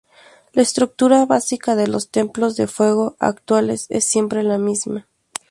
La estructura básica de los templos de fuego actuales es siempre la misma.